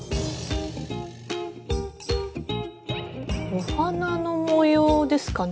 お花の模様ですかね？